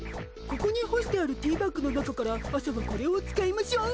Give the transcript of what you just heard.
ここにほしてあるティーバッグの中から朝はこれを使いましょう。